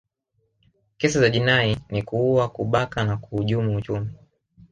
kesi za jinai ni kuua kubaka na kuhujumu uchumi